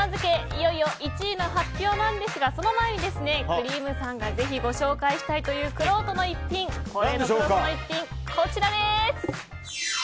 いよいよ１位の発表なんですがその前にクリームさんがぜひ紹介したいというくろうとの逸品、こちらです。